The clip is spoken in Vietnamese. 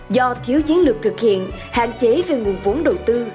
do thiếu chiến lược thực hiện hạn chế về nguồn vốn đầu tư